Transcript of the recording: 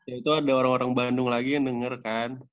ya itu ada orang orang bandung lagi yang denger kan